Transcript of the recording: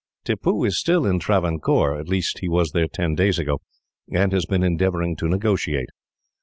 "Tippoo is still in Travancore at least, he was there ten days ago, and has been endeavouring to negotiate.